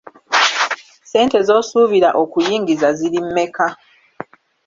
Ssente z’osuubira okuyingiza ziri mmeka.